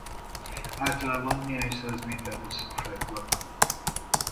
Általában néhány száz méter hosszúságúak.